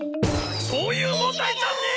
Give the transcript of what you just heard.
そういう問題じゃねえ！